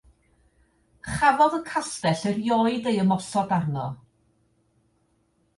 Chafodd y castell erioed ei ymosod arno.